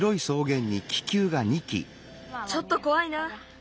ちょっとこわいな。